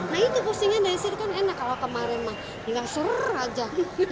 nah itu postingnya dari sini kan enak kalau kemarin mah tinggal serrrr aja